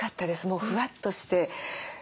もうふわっとして。